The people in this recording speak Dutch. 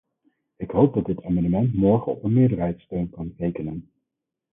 Ik hoop dat dit amendement morgen op een meerderheidssteun kan rekenen.